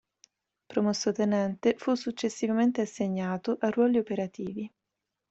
Promosso tenente, fu successivamente assegnato a ruoli operativi.